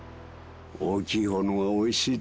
大きい方がおいしい。